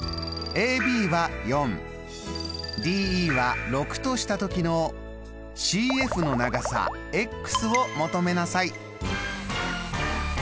ＤＥは６とした時のＣＦの長さを求めなさい。